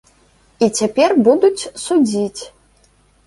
І цяпер будуць судзіць.